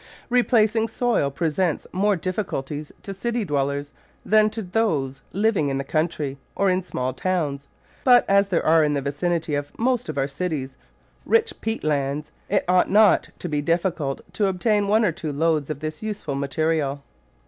Replacing soil presents more difficulties to city dwellers than to those living in the country, or in small towns, but, as there are in the vicinity of most of our cities rich peat lands, it ought not to be difficult to obtain one or two loads of this useful material.